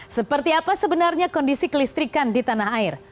seperti apa sebenarnya kondisi kelistrikan di tanah air